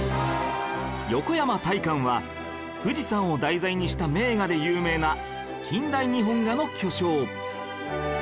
横山大観は富士山を題材にした名画で有名な近代日本画の巨匠